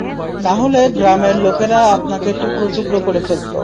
নাহলে গ্রামের লোকেরা আপনাকে টুকরো টুকরো ফেলত।